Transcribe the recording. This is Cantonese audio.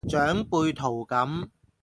長輩圖噉